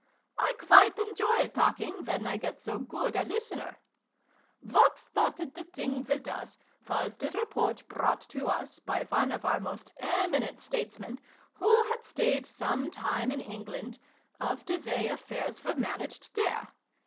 " I quite enjoy talking, when I get so good a listener. What started the thing, with us, was the report brought to us, by one of our most eminent statesmen, who had stayed some time in England, of the way affairs were managed there.